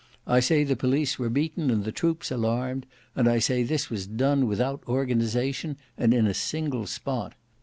I say the police were beaten and the troops alarmed; and I say this was done without organization and in a single spot.